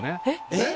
えっ？